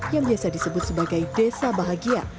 yang biasa disebut sebagai desa bahagia